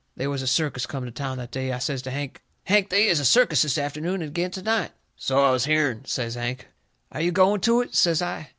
They was a circus come to town that day. I says to Hank: "Hank, they is a circus this afternoon and agin to night." "So I has hearn," says Hank. "Are you going to it?" says I.